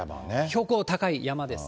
標高高い山ですね。